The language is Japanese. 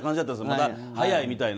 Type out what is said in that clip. まだ早いみたいな。